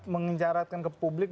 mengencarakan ke publik